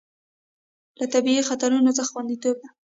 له طبیعي خطرونو څخه خوندیتوب ده.